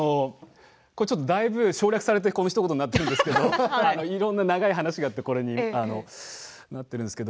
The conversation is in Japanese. だいぶ省略されてひと言になってるんですけどいろんな長い話があってこれになっているんですけど。